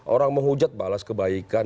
orang menghujat balas kebaikan